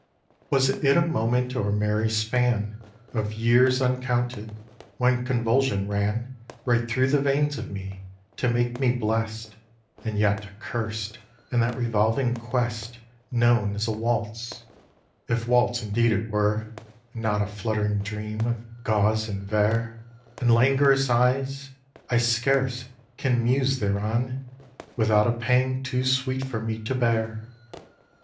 viii. Was it a moment or a merry span Of years uncounted when convulsion ran Right through the veins of me, to make me blest, And yet accurst, in that revolving quest Known as a waltz, if waltz indeed it were And not a fluttering dream of gauze and vair And languorous eyes? I scarce can muse thereon Without a pang too sweet for me to bear!